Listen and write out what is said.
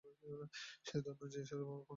সে-ই ধন্য, যে ঈশ্বরের জন্য পাগল।